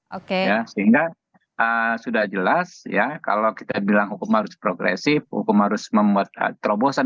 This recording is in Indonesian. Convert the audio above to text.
oke ya sehingga sudah jelas ya kalau kita bilang hukum harus progresif hukum harus membuat terobosan